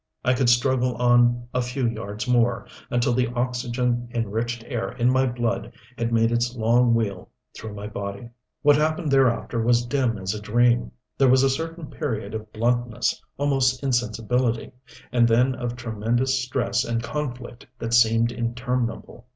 I could struggle on a few yards more, until the oxygen enriched air in my blood had made its long wheel through my body. What happened thereafter was dim as a dream. There was a certain period of bluntness, almost insensibility; and then of tremendous stress and conflict that seemed interminable.